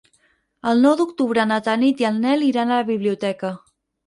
El nou d'octubre na Tanit i en Nel iran a la biblioteca.